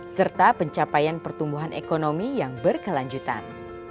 serta pencapaian pertumbuhan ekonomi yang berkelanjutan